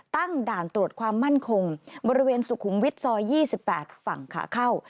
ตั้งด่านตรวจความมั่นคงบริเวณสุขุมวิทย์ซอย๒๘ฝั่งขาเข้า